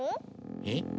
えっ？